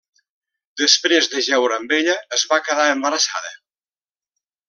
Després de jeure amb ella es va quedar embarassada.